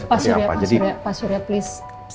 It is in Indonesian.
pak surya pak surya pak surya please